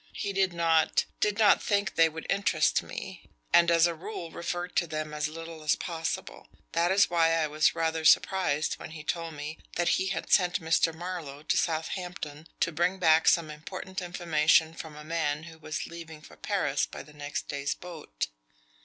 "He did not did not think they would interest me, and as a rule referred to them as little as possible. That is why I was rather surprised when he told me that he had sent Mr. Marlowe to Southampton to bring back some important information from a man who was leaving for Paris by the next day's boat.